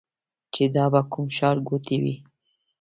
چې دا به کوم ښار ګوټی وي.